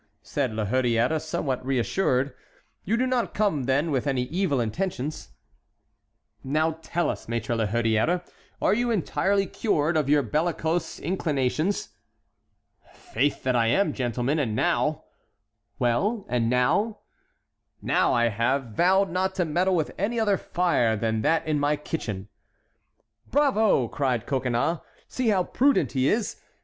said La Hurière, somewhat reassured, "you do not come, then, with any evil intentions." "Now tell us, Maître La Hurière, are you entirely cured of your bellicose inclinations?" "Faith, that I am, gentlemen; and now"— "Well, and now"— "Now I have vowed not to meddle with any other fire than that in my kitchen." "Bravo!" cried Coconnas, "see how prudent he is!